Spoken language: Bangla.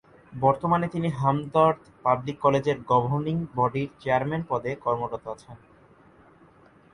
বর্তমানে তিনি হামদর্দ পাবলিক কলেজের গভর্নিং বডির চেয়ারম্যান পদে কর্মরত আছেন।